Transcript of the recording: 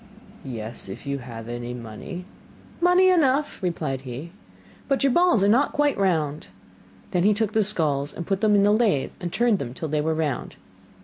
'Yes, if you have any money.' 'Money enough,' replied he, 'but your balls are not quite round.' Then he took the skulls and put them in the lathe and turned them till they were round.